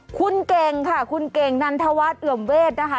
คุณเก่งค่ะคุณเก่งนันทวาตรเอวยมเวศนะคะ